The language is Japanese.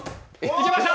いけました。